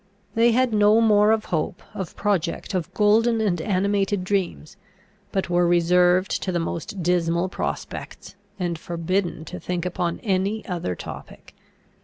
They had no more of hope, of project, of golden and animated dreams, but were reserved to the most dismal prospects, and forbidden to think upon any other topic.